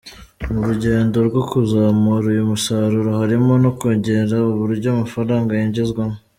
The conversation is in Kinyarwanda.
Mu rugendo rwo kuzamura uyu musaruro harimo no kongera uburyo amafaranga yinjizwamo.